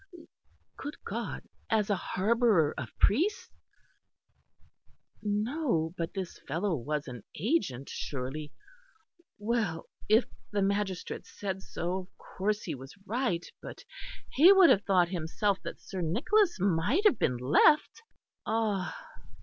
Good God, as a harbourer of priests? No, but this fellow was an agent, surely. Well, if the magistrate said so, of course he was right; but he would have thought himself that Sir Nicholas might have been left ah!